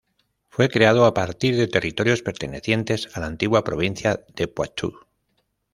Fue creado a partir de territorios pertenecientes a la antigua provincia de Poitou.